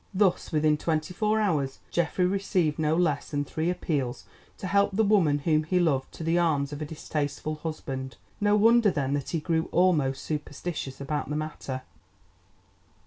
Thus within twenty four hours Geoffrey received no less than three appeals to help the woman whom he loved to the arms of a distasteful husband. No wonder then that he grew almost superstitious about the matter.